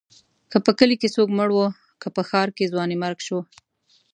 که په کلي کې څوک مړ و، که په ښار کې ځوانيمرګ شو.